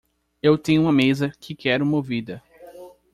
Eu tenho uma mesa que quero movida.